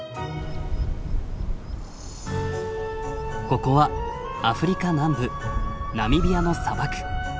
ここはアフリカ南部ナミビアの砂漠。